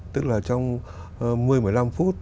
tức là trong một mươi một mươi năm phút